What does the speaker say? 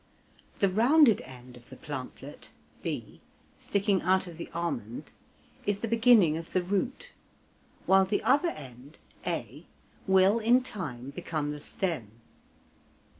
The rounded end of the plantlet (b) sticking out of the almond, is the beginning of the root, while the other end (a) will in time become the stem.